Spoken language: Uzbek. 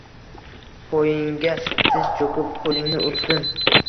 Poyingga tiz chukib qulingni upsin